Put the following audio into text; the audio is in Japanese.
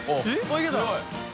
いけた！